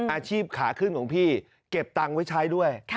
อาชีพขาขึ้นของพี่เก็บตังค์ไว้ใช้ด้วย